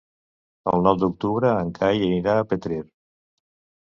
El nou d'octubre en Cai anirà a Petrer.